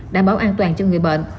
đảm bảo an toàn cho người bệnh